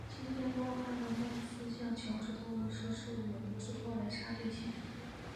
期间多话的麦克斯向乔治透露是受友人之托来杀对象。